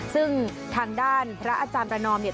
ซึ่งทางด้านพระอาจารย์ประนอมเนี่ย